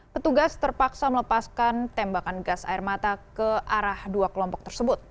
petugas terpaksa melepaskan tembakan gas air mata ke arah dua kelompok tersebut